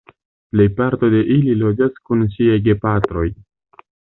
Plejparto de ili loĝas kun siaj gepatroj.